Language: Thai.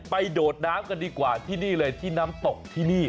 โดดน้ำกันดีกว่าที่นี่เลยที่น้ำตกที่นี่